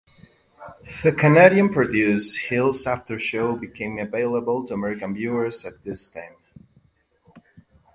The Canadian-produced "Hills Aftershow" became available to American viewers at this time.